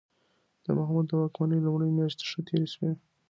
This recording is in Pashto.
د محمود د واکمنۍ لومړۍ میاشتې ښه تېرې شوې.